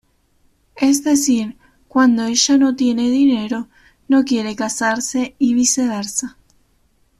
Es decir, cuando ella no tiene dinero, no quiere casarse y viceversa.